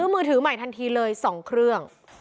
มือถือใหม่ทันทีเลย๒เครื่อง